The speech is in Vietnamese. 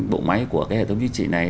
bộ máy của cái hệ thống duy trì này